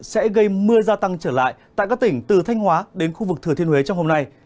sẽ gây mưa gia tăng trở lại tại các tỉnh từ thanh hóa đến khu vực thừa thiên huế trong hôm nay